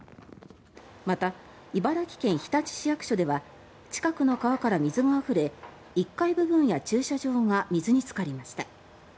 また、茨城県・日立市役所では近くの川から水があふれ１階部分や駐車場が水につかりました。